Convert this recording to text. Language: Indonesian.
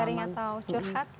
sharing atau curhat